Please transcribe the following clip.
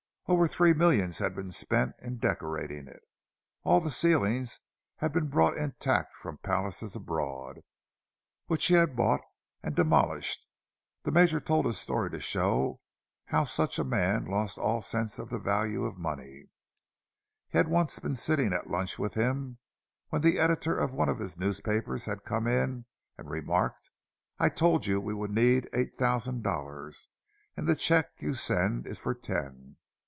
Over three millions had been spent in decorating it; all the ceilings had been brought intact from palaces abroad, which he had bought and demolished! The Major told a story to show how such a man lost all sense of the value of money; he had once been sitting at lunch with him, when the editor of one of his newspapers had come in and remarked, "I told you we would need eight thousand dollars, and the check you send is for ten."